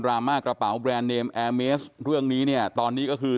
รามากระเป๋าแบรนด์เนมแอร์เมสเรื่องนี้เนี่ยตอนนี้ก็คือ